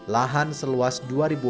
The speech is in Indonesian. lahan seluas dua ribu hektar terus berkembang